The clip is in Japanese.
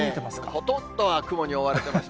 ほとんどは雲に覆われてます。